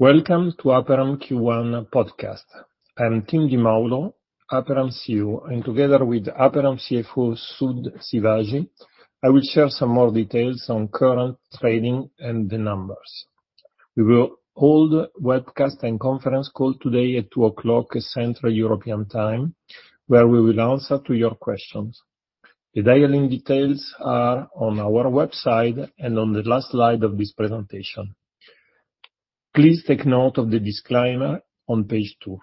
Welcome to Aperam Q1 Podcast. I'm Tim Di Maulo, Aperam CEO, and together with Aperam CFO Sudhakar Sivaji, I will share some more details on current trading and the numbers. We will hold a webcast and conference call today at 2:00 P.M. Central European Time, where we will answer your questions. The dial-in details are on our website and on the last slide of this presentation. Please take note of the disclaimer on page 2.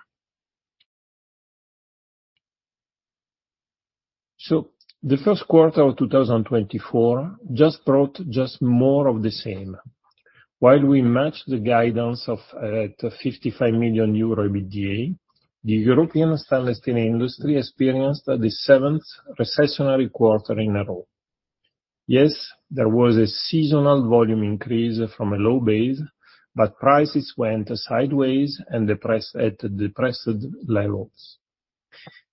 The first quarter of 2024 just brought just more of the same. While we matched the guidance of 55 million euro EBITDA, the European stainless steel industry experienced the seventh recessionary quarter in a row. Yes, there was a seasonal volume increase from a low base, but prices went sideways and depressed at depressed levels.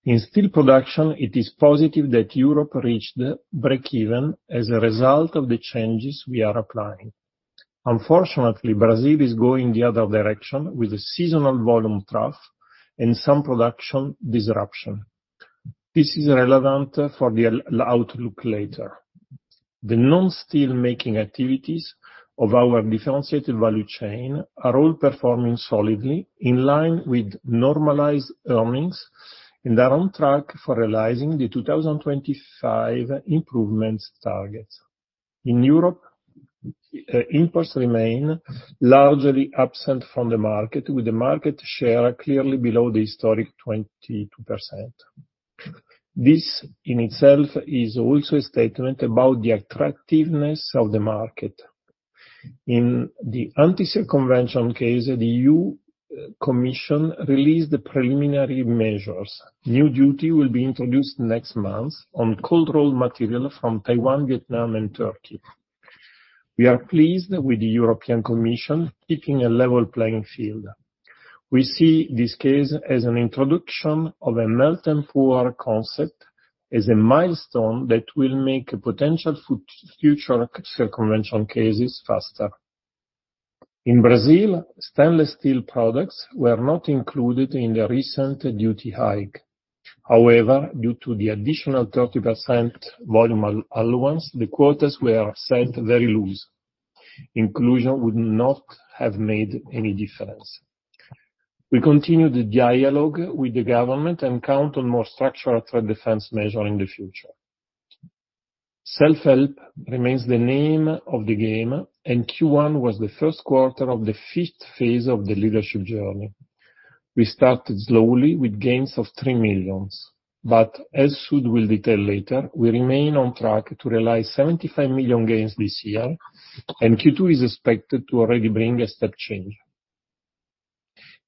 In steel production, it is positive that Europe reached break-even as a result of the changes we are applying. Unfortunately, Brazil is going the other direction with a seasonal volume trough and some production disruption. This is relevant for the outlook later. The non-steel making activities of our differentiated value chain are all performing solidly, in line with normalized earnings, and are on track for realizing the 2025 improvements targets. In Europe, imports remain largely absent from the market, with the market share clearly below the historic 22%. This in itself is also a statement about the attractiveness of the market. In the anti-circumvention case, the EU Commission released preliminary measures. New duty will be introduced next month on cold-rolled material from Taiwan, Vietnam, and Turkey. We are pleased with the European Commission keeping a level playing field. We see this case as an introduction of a melt-and-pour concept, as a milestone that will make potential future circumvention cases faster. In Brazil, stainless steel products were not included in the recent duty hike. However, due to the additional 30% volume allowance, the quotas were set very loose. Inclusion would not have made any difference. We continue the dialogue with the government and count on more structural threat defense measures in the future. Self-help remains the name of the game, and Q1 was the first quarter of the fifth phase of the Leadership Journey. We started slowly, with gains of 3 million. But as Sud will detail later, we remain on track to realize 75 million gains this year, and Q2 is expected to already bring a step change.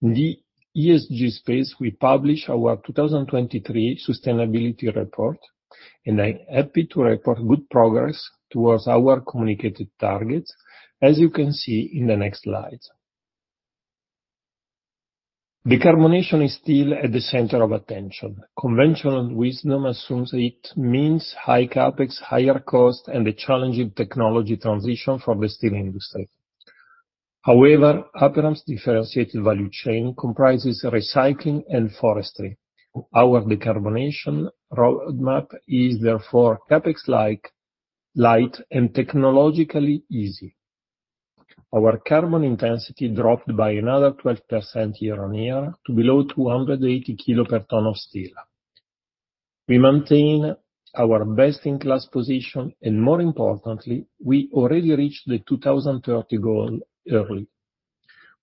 In the ESG space, we publish our 2023 sustainability report, and I'm happy to report good progress towards our communicated targets, as you can see in the next slides. Decarbonation is still at the center of attention. Conventional wisdom assumes it means high CapEx, higher costs, and a challenging technology transition for the steel industry. However, Aperam's differentiated value chain comprises recycling and forestry. Our decarbonization roadmap is therefore CapEx-light, and technologically easy. Our carbon intensity dropped by another 12% year-over-year to below 280 kilos per ton of steel. We maintain our best-in-class position, and more importantly, we already reached the 2030 goal early.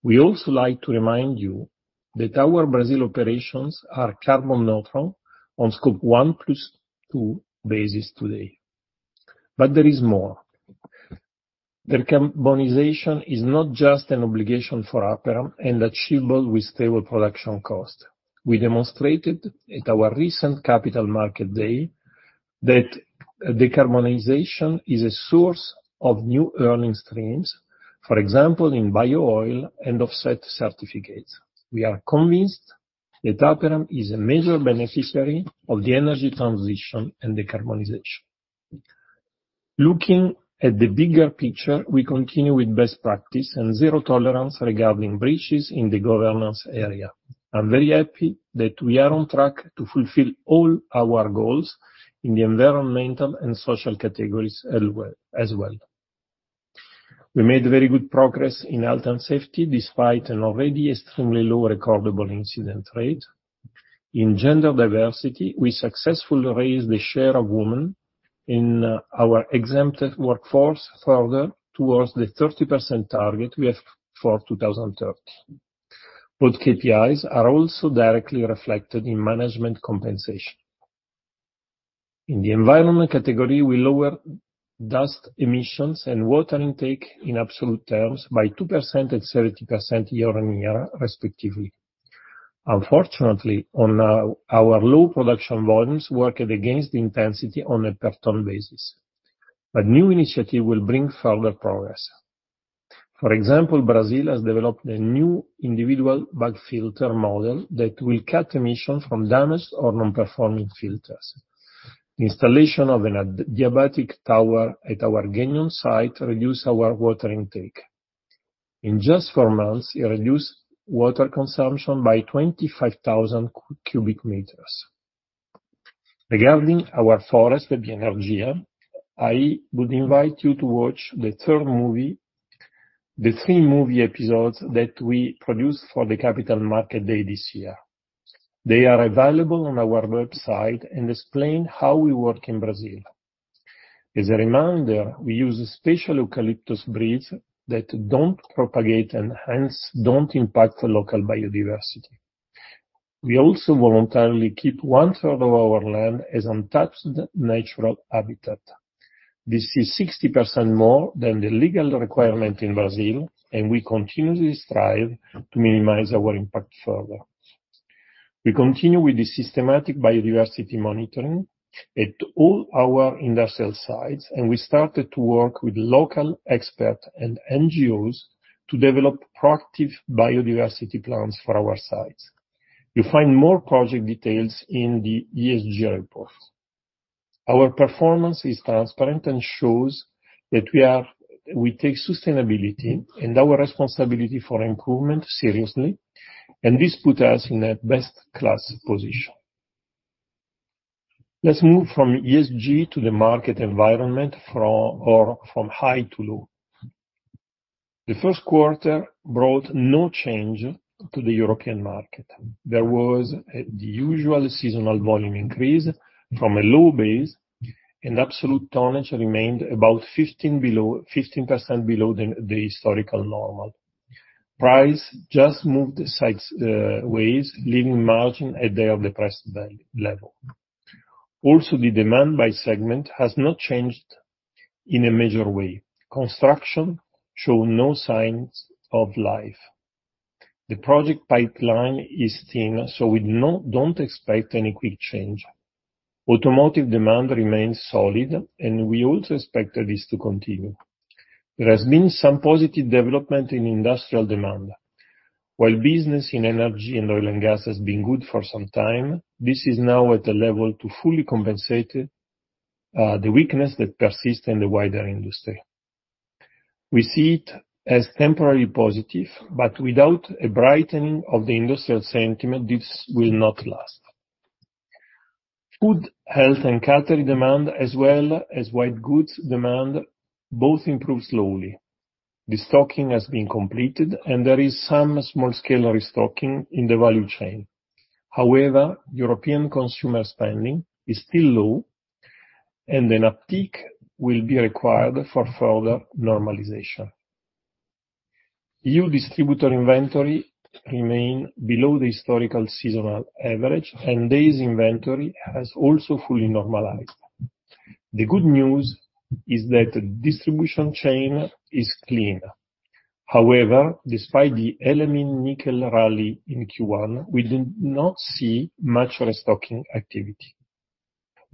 We also like to remind you that our Brazil operations are carbon neutral on Scope 1 + 2 basis today. But there is more. Decarbonization is not just an obligation for Aperam and achievable with stable production costs. We demonstrated at our recent Capital Market Day that decarbonization is a source of new earning streams, for example, in bio-oil and offset certificates. We are convinced that Aperam is a major beneficiary of the energy transition and decarbonization. Looking at the bigger picture, we continue with best practice and zero tolerance regarding breaches in the governance area. I'm very happy that we are on track to fulfill all our goals in the environmental and social categories as well. We made very good progress in health and safety despite an already extremely low recordable incident rate. In gender diversity, we successfully raised the share of women in our exempt workforce further towards the 30% target we have for 2030. Both KPIs are also directly reflected in management compensation. In the environment category, we lowered dust emissions and water intake in absolute terms by 2% and 70% year-on-year, respectively. Unfortunately, our low production volumes work against the intensity on a per-ton basis. But new initiatives will bring further progress. For example, Brazil has developed a new individual bag filter model that will cut emissions from damaged or non-performing filters. The installation of adiabatic tower at our Gueugnon site reduced our water intake. In just four months, it reduced water consumption by 25,000 cubic meters. Regarding our forest and the energy, I would invite you to watch the three movie episodes that we produced for the Capital Market Day this year. They are available on our website and explain how we work in Brazil. As a reminder, we use special eucalyptus breeds that don't propagate and hence don't impact local biodiversity. We also voluntarily keep one-third of our land as untouched natural habitat. This is 60% more than the legal requirement in Brazil, and we continuously strive to minimize our impact further. We continue with the systematic biodiversity monitoring at all our industrial sites, and we started to work with local experts and NGOs to develop proactive biodiversity plans for our sites. You find more project details in the ESG report. Our performance is transparent and shows that we take sustainability and our responsibility for improvement seriously, and this puts us in a best-class position. Let's move from ESG to the market environment from high to low. The first quarter brought no change to the European market. There was the usual seasonal volume increase from a low base, and absolute tonnage remained about 15% below the historical normal. Price just moved sideways, leaving margin at their depressed level. Also, the demand by segment has not changed in a major way. Construction showed no signs of life. The project pipeline is thin, so we don't expect any quick change. Automotive demand remains solid, and we also expect this to continue. There has been some positive development in industrial demand. While business in energy and oil and gas has been good for some time, this is now at a level to fully compensate the weakness that persists in the wider industry. We see it as temporarily positive, but without a brightening of the industrial sentiment, this will not last. Food, health, and catering demand, as well as white goods demand, both improve slowly. The stocking has been completed, and there is some small-scale restocking in the value chain. However, European consumer spending is still low, and an uptick will be required for further normalization. EU distributor inventory remains below the historical seasonal average, and days' inventory has also fully normalized. The good news is that the distribution chain is clean. However, despite the LME nickel rally in Q1, we did not see much restocking activity.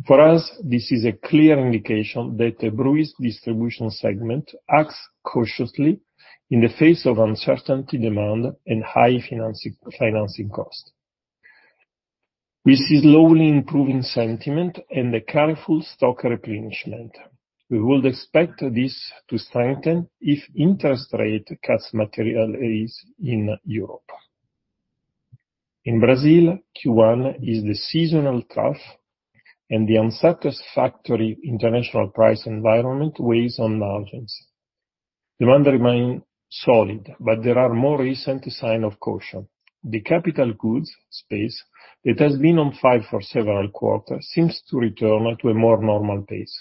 For us, this is a clear indication that Brazil's distribution segment acts cautiously in the face of uncertainty, demand, and high financing costs. We see slowly improving sentiment and a careful stock replenishment. We would expect this to strengthen if interest rate cuts materialize in Europe. In Brazil, Q1 is the seasonal trough, and the unsatisfactory international price environment weighs on margins. Demand remains solid, but there are more recent signs of caution. The capital goods space that has been on fire for several quarters seems to return to a more normal pace.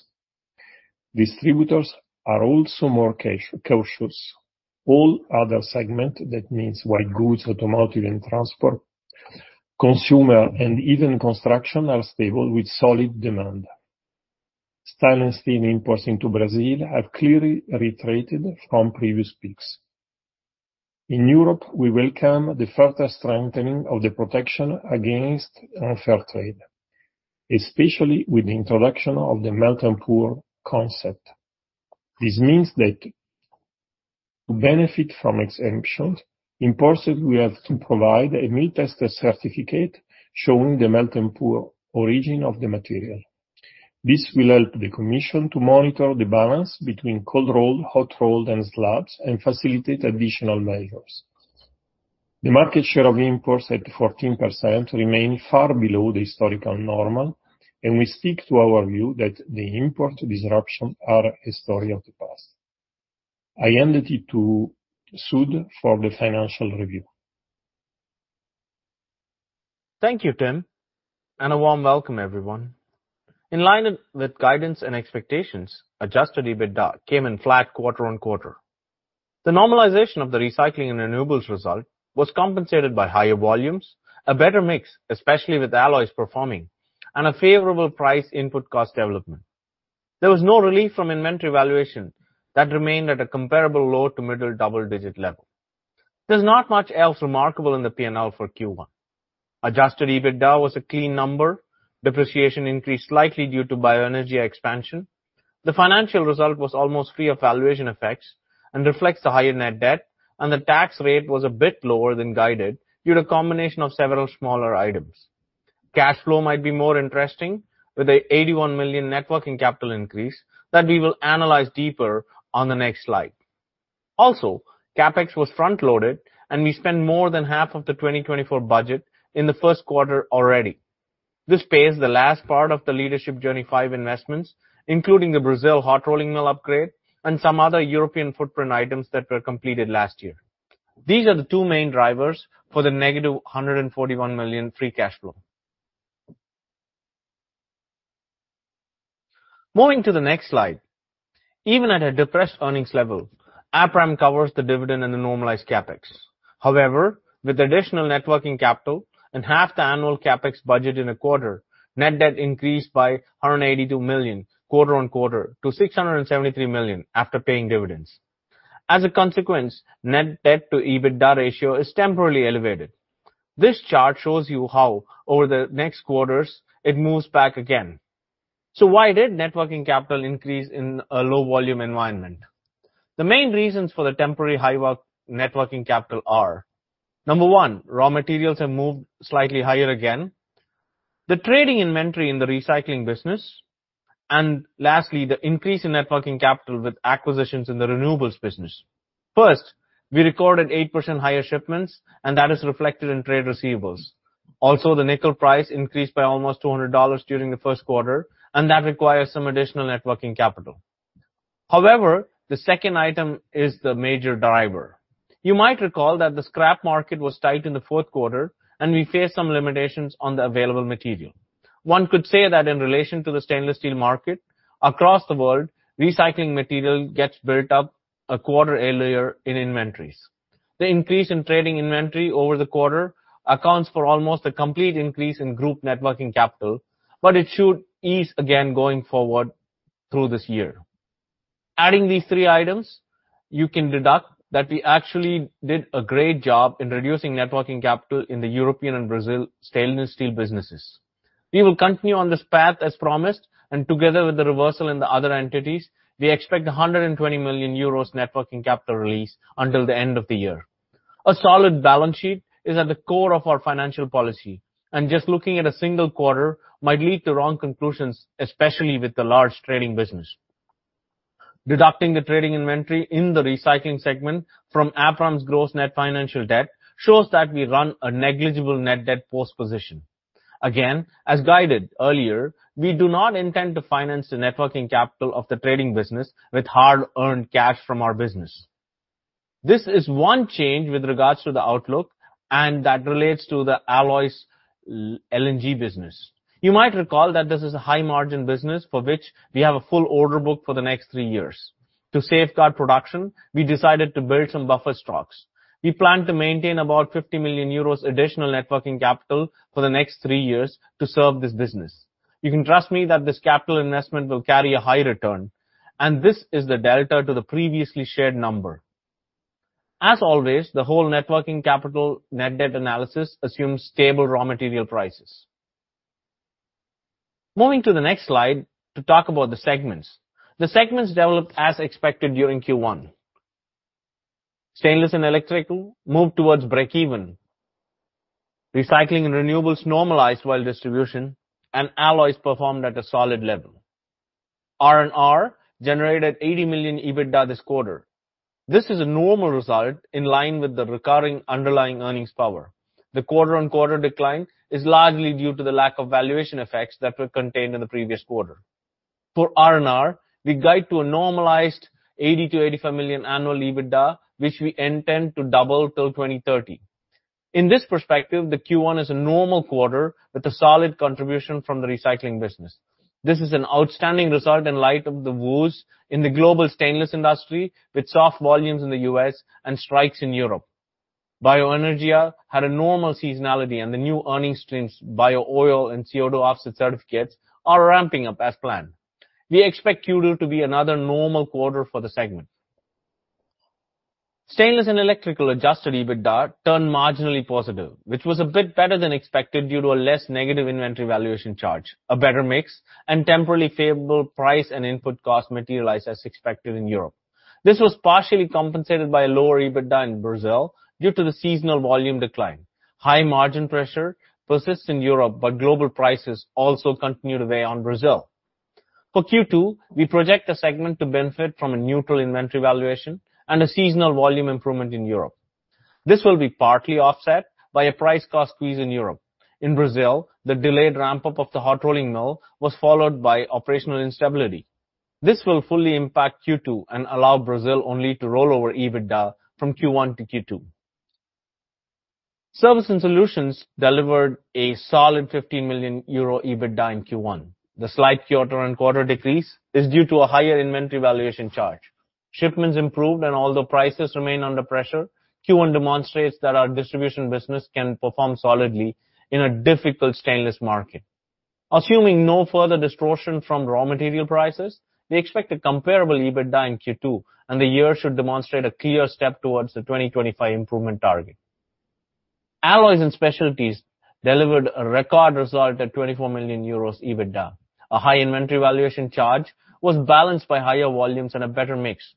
Distributors are also more cautious. All other segments, that means white goods, automotive, and transport, consumer, and even construction, are stable with solid demand. Steel and steel imports into Brazil have clearly retreated from previous peaks. In Europe, we welcome the further strengthening of the protection against unfair trade, especially with the introduction of the melt-and-pour concept. This means that to benefit from exemptions, imports will have to provide a melt-and-pour certificate showing the melt-and-pour origin of the material. This will help the Commission to monitor the balance between cold-rolled, hot-rolled, and slabs, and facilitate additional measures. The market share of imports at 14% remains far below the historical normal, and we stick to our view that the import disruptions are a story of the past. I hand it to Sud for the financial review. Thank you, Tim, and a warm welcome, everyone. In line with guidance and expectations, Adjusted EBITDA came in flat quarter-on-quarter. The normalization of the Recycling and Renewables result was compensated by higher volumes, a better mix, especially with alloys performing, and a favorable price-input cost development. There was no relief from inventory valuation that remained at a comparable low to middle double-digit level. There's not much else remarkable in the P&L for Q1. Adjusted EBITDA was a clean number. Depreciation increased slightly due to bioenergy expansion. The financial result was almost free of valuation effects and reflects the higher net debt, and the tax rate was a bit lower than guided due to a combination of several smaller items. Cash flow might be more interesting with the 81 million net working capital increase that we will analyze deeper on the next slide. Also, CapEx was front-loaded, and we spent more than half of the 2024 budget in the first quarter already. This pays the last part of the Leadership Journey 5 investments, including the Brazil hot-rolling mill upgrade and some other European footprint items that were completed last year. These are the two main drivers for the -141 million free cash flow. Moving to the next slide. Even at a depressed earnings level, Aperam covers the dividend and the normalized CapEx. However, with additional net working capital and half the annual CapEx budget in a quarter, net debt increased by 182 million quarter-over-quarter to 673 million after paying dividends. As a consequence, net debt-to-EBITDA ratio is temporarily elevated. This chart shows you how, over the next quarters, it moves back again. So why did net working capital increase in a low-volume environment? The main reasons for the temporary high net working capital are: number 1, raw materials have moved slightly higher again, the trading inventory in the recycling business, and lastly, the increase in net working capital with acquisitions in the renewables business. First, we recorded 8% higher shipments, and that is reflected in trade receivables. Also, the nickel price increased by almost $200 during the first quarter, and that requires some additional net working capital. However, the second item is the major driver. You might recall that the scrap market was tight in the fourth quarter, and we faced some limitations on the available material. One could say that in relation to the stainless steel market, across the world, recycling material gets built up a quarter earlier in inventories. The increase in trading inventory over the quarter accounts for almost a complete increase in group net working capital, but it should ease again going forward through this year. Adding these three items, you can deduct that we actually did a great job in reducing net working capital in the European and Brazil stainless steel businesses. We will continue on this path as promised, and together with the reversal in the other entities, we expect 120 million euros net working capital release until the end of the year. A solid balance sheet is at the core of our financial policy, and just looking at a single quarter might lead to wrong conclusions, especially with the large trading business. Deducting the trading inventory in the recycling segment from Aperam's gross net financial debt shows that we run a negligible net debt position. Again, as guided earlier, we do not intend to finance the net working capital of the trading business with hard-earned cash from our business. This is one change with regards to the outlook, and that relates to the alloys LNG business. You might recall that this is a high-margin business for which we have a full order book for the next three years. To safeguard production, we decided to build some buffer stocks. We plan to maintain about 50 million euros additional net working capital for the next three years to serve this business. You can trust me that this capital investment will carry a high return, and this is the delta to the previously shared number. As always, the whole net working capital net debt analysis assumes stable raw material prices. Moving to the next slide to talk about the segments. The segments developed as expected during Q1. Stainless and Electrical moved towards break-even. Recycling and Renewables normalized while distribution and alloys performed at a solid level. R&R generated 80 million EBITDA this quarter. This is a normal result in line with the recurring underlying earnings power. The quarter-on-quarter decline is largely due to the lack of valuation effects that were contained in the previous quarter. For R&R, we guide to a normalized 80 million-85 million annual EBITDA, which we intend to double till 2030. In this perspective, the Q1 is a normal quarter with a solid contribution from the recycling business. This is an outstanding result in light of the woes in the global stainless industry with soft volumes in the U.S. and strikes in Europe. BioEnergia had a normal seasonality, and the new earnings streams, bio-oil and CO2 offset certificates, are ramping up as planned. We expect Q2 to be another normal quarter for the segment. Stainless and Electrical Adjusted EBITDA turned marginally positive, which was a bit better than expected due to a less negative inventory valuation charge, a better mix, and temporarily favorable price and input costs materialized as expected in Europe. This was partially compensated by a lower EBITDA in Brazil due to the seasonal volume decline. High margin pressure persists in Europe, but global prices also continue to weigh on Brazil. For Q2, we project a segment to benefit from a neutral inventory valuation and a seasonal volume improvement in Europe. This will be partly offset by a price-cost squeeze in Europe. In Brazil, the delayed ramp-up of the hot-rolling mill was followed by operational instability. This will fully impact Q2 and allow Brazil only to roll over EBITDA from Q1 to Q2. Services and Solutions delivered a solid 15 million euro EBITDA in Q1. The slight quarter-on-quarter decrease is due to a higher inventory valuation charge. Shipments improved, and although prices remain under pressure, Q1 demonstrates that our distribution business can perform solidly in a difficult stainless market. Assuming no further distortion from raw material prices, we expect a comparable EBITDA in Q2, and the year should demonstrate a clear step towards the 2025 improvement target. Alloys and Specialties delivered a record result at 24 million euros EBITDA. A high inventory valuation charge was balanced by higher volumes and a better mix.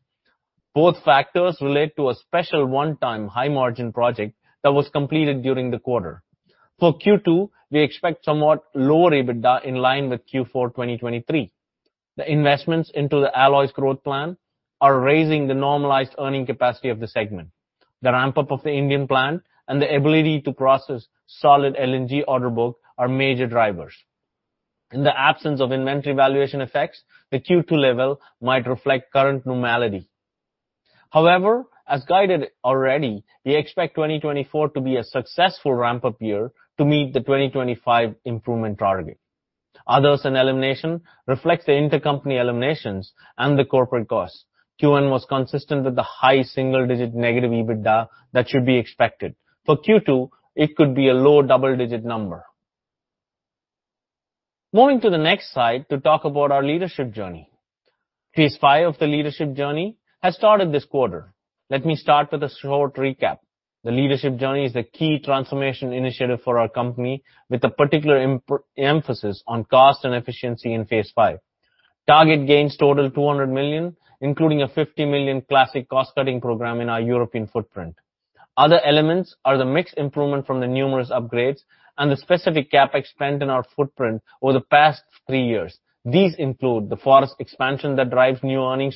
Both factors relate to a special one-time high-margin project that was completed during the quarter. For Q2, we expect somewhat lower EBITDA in line with Q4 2023. The investments into the alloys growth plan are raising the normalized earning capacity of the segment. The ramp-up of the Indian plant and the ability to process solid LNG order book are major drivers. In the absence of inventory valuation effects, the Q2 level might reflect current normality. However, as guided already, we expect 2024 to be a successful ramp-up year to meet the 2025 improvement target. Others and Eliminations reflects the intercompany eliminations and the corporate costs. Q1 was consistent with the high single-digit negative EBITDA that should be expected. For Q2, it could be a low double-digit number. Moving to the next slide to talk about our Leadership Journey. Phase 5 of the Leadership Journey has started this quarter. Let me start with a short recap. The Leadership Journey is the key transformation initiative for our company with a particular emphasis on cost and efficiency in Phase 5. Target gains totaled 200 million, including a 50 million classic cost-cutting program in our European footprint. Other elements are the mixed improvement from the numerous upgrades and the specific CapEx spent in our footprint over the past three years. These include the forest expansion that drives new earning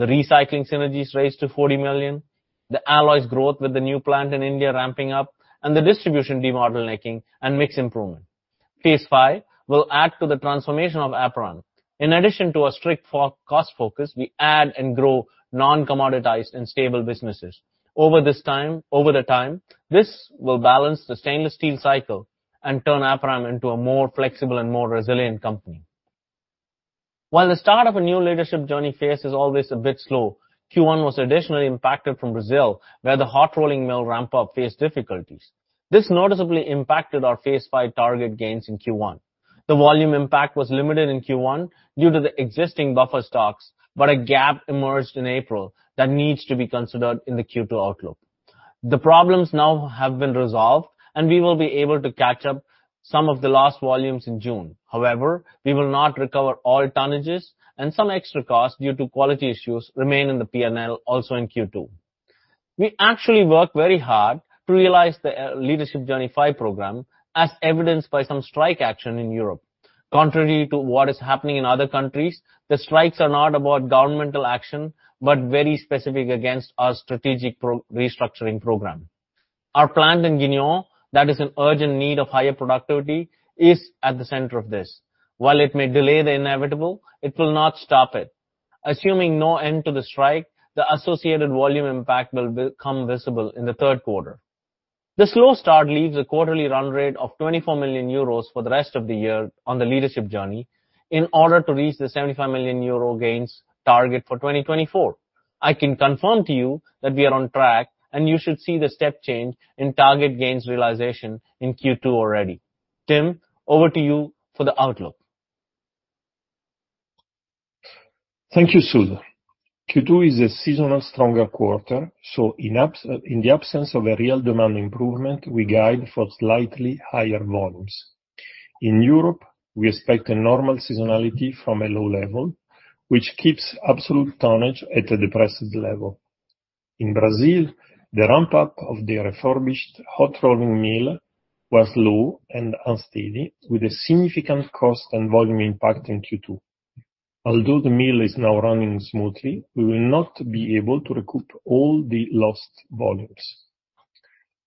streams, the recycling synergies raised to 40 million, the alloys growth with the new plant in India ramping up, and the distribution debottlenecking and mixed improvement. Phase 5 will add to the transformation of Aperam. In addition to a strict cost focus, we add and grow non-commoditized and stable businesses. Over the time, this will balance the stainless steel cycle and turn Aperam into a more flexible and more resilient company. While the start of a new Leadership Journey phase is always a bit slow, Q1 was additionally impacted from Brazil, where the hot-rolling mill ramp-up faced difficulties. This noticeably impacted our Phase 5 target gains in Q1. The volume impact was limited in Q1 due to the existing buffer stocks, but a gap emerged in April that needs to be considered in the Q2 outlook. The problems now have been resolved, and we will be able to catch up some of the lost volumes in June. However, we will not recover all tonnages, and some extra costs due to quality issues remain in the P&L also in Q2. We actually work very hard to realize the Leadership Journey 5 program, as evidenced by some strike action in Europe. Contrary to what is happening in other countries, the strikes are not about governmental action but very specific against our strategic restructuring program. Our plant in Genk, that is in urgent need of higher productivity, is at the center of this. While it may delay the inevitable, it will not stop it. Assuming no end to the strike, the associated volume impact will become visible in the third quarter. The slow start leaves a quarterly run rate of 24 million euros for the rest of the year on the Leadership Journey in order to reach the 75 million euro gains target for 2024. I can confirm to you that we are on track, and you should see the step change in target gains realization in Q2 already. Tim, over to you for the outlook. Thank you, Sud. Q2 is a seasonal, stronger quarter, so in the absence of a real demand improvement, we guide for slightly higher volumes. In Europe, we expect a normal seasonality from a low level, which keeps absolute tonnage at a depressed level. In Brazil, the ramp-up of the refurbished hot-rolling mill was low and unsteady, with a significant cost and volume impact in Q2. Although the mill is now running smoothly, we will not be able to recoup all the lost volumes.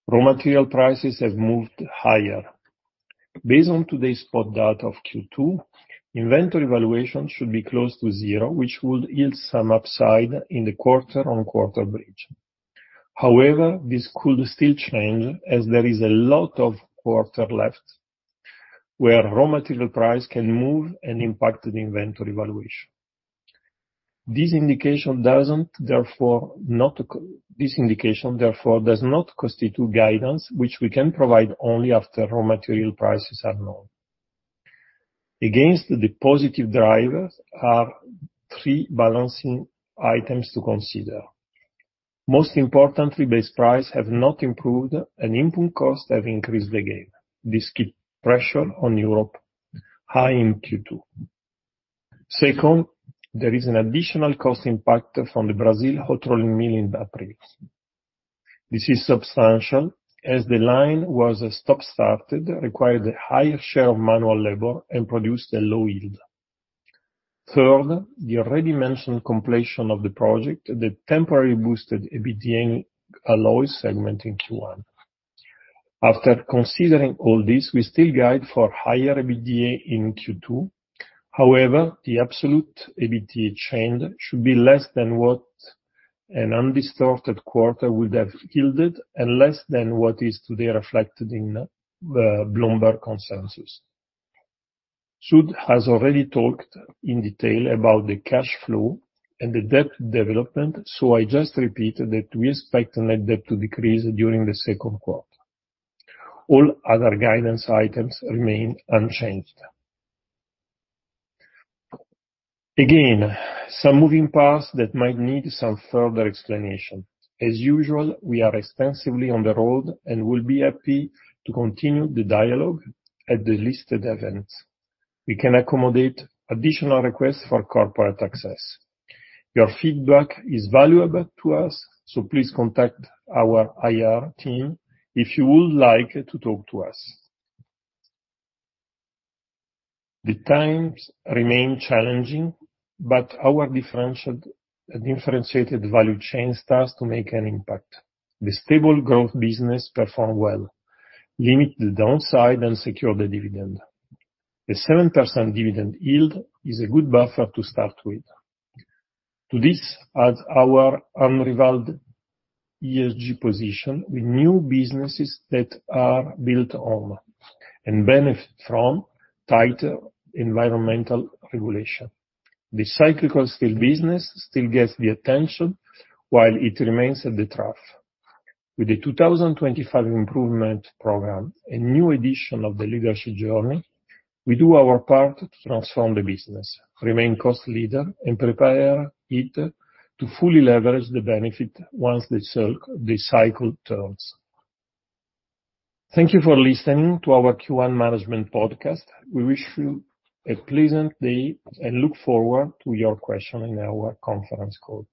Raw material prices have moved higher. Based on today's spot data of Q2, inventory valuation should be close to zero, which would yield some upside in the quarter-on-quarter bridge. However, this could still change as there is a lot of quarter left, where raw material price can move and impact the inventory valuation. This indication, therefore, does not constitute guidance, which we can provide only after raw material prices are known. Against the positive drivers are three balancing items to consider. Most importantly, base price has not improved, and input costs have increased again. This keeps pressure on Europe, high in Q2. Second, there is an additional cost impact from the Brazil hot-rolling mill in April. This is substantial as the line was stop-started, required a higher share of manual labor, and produced a low yield. Third, the already mentioned completion of the project, the temporary boosted EBITDA alloys segment in Q1. After considering all this, we still guide for higher EBITDA in Q2. However, the absolute EBITDA change should be less than what an undistorted quarter would have yielded and less than what is today reflected in Bloomberg consensus. Sud has already talked in detail about the cash flow and the debt development, so I just repeat that we expect net debt to decrease during the second quarter. All other guidance items remain unchanged. Again, some moving parts that might need some further explanation. As usual, we are extensively on the road and will be happy to continue the dialogue at the listed events. We can accommodate additional requests for corporate access. Your feedback is valuable to us, so please contact our IR team if you would like to talk to us. The times remain challenging, but our differentiated value chains task to make an impact. The stable growth business performed well, limited the downside, and secured the dividend. The 7% dividend yield is a good buffer to start with. To this adds our unrivaled ESG position with new businesses that are built on and benefit from tighter environmental regulation. The cyclical steel business still gets the attention while it remains at the trough. With the 2025 improvement program, a new edition of the Leadership Journey, we do our part to transform the business, remain cost leader, and prepare it to fully leverage the benefit once the cycle turns. Thank you for listening to our Q1 management podcast. We wish you a pleasant day and look forward to your question in our conference call.